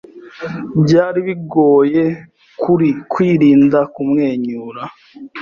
Byari bigoye kuri kwirinda kumwenyura.